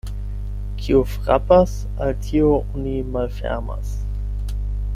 Kiu frapas, al tiu oni malfermas.